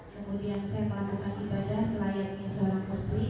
kemudian saya melakukan ibadah selayangnya seorang kosri